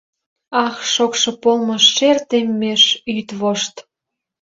Ах, шокшо помыш — шер теммеш, йӱдвошт!